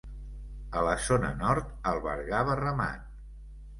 A la zona nord albergava ramat.